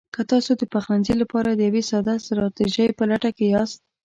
که تاسو د پخلنځي لپاره د یوې ساده ستراتیژۍ په لټه کې یاست: